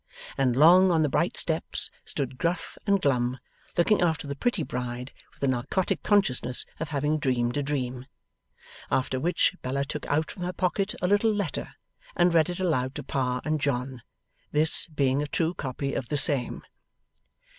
And long on the bright steps stood Gruff and Glum, looking after the pretty bride, with a narcotic consciousness of having dreamed a dream. After which, Bella took out from her pocket a little letter, and read it aloud to Pa and John; this being a true copy of the same.